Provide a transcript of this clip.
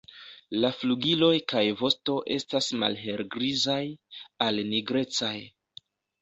La flugiloj kaj vosto estas malhelgrizaj al nigrecaj.